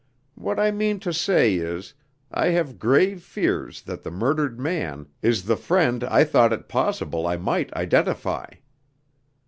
What I mean to say is, I have grave fears that the murdered man is the friend I thought it possible I might identify.